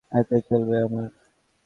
এতেই চলবে আমার।